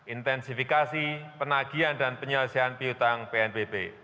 intensifikasi penagihan dan penyelesaian piutang pnbp